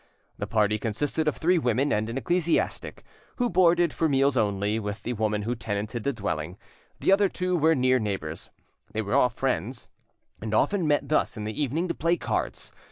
The party consisted of three women and an ecclesiastic, who boarded, for meals only, with the woman who tenanted the dwelling; the other two were near neighbours. They were all friends, and often met thus in the evening to play cards.